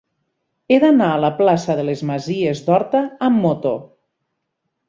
He d'anar a la plaça de les Masies d'Horta amb moto.